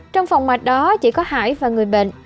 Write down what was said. trong phòng mạch đó chỉ có hải và người bệnh